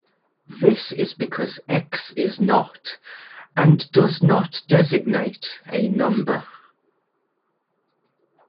This is because "X" is not, and does not designate, a number.